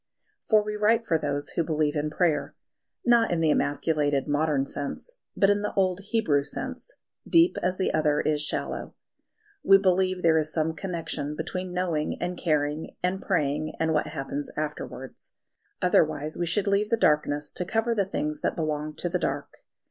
For we write for those who believe in prayer not in the emasculated modern sense, but in the old Hebrew sense, deep as the other is shallow. We believe there is some connection between knowing and caring and praying, and what happens afterwards. Otherwise we should leave the darkness to cover the things that belong to the dark.